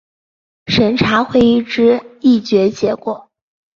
审查会议之议决结果